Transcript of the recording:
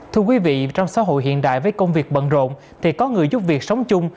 thưa quý vị trong xã hội hiện đại với công việc bận rộn thì có người giúp việc sống chung